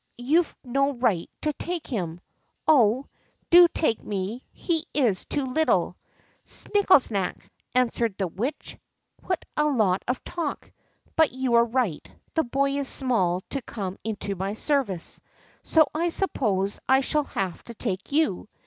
You've no right to take him ! Oh ! do take me ; he is too little." " Snikkesnak !" answered the Witch ;" what a lot of talk ! But you are right ; the boy is small to come into my service, so I suppose I shall have to take you.